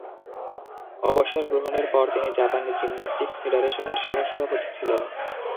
অবসর গ্রহণের পর তিনি জাপানি জিমন্যাস্টিকস ফেডারেশনের সহ-সভাপতি ছিলেন।